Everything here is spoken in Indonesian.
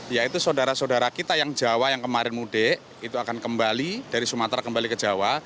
yaitu saudara saudara kita yang jawa yang kemarin mudik itu akan kembali dari sumatera kembali ke jawa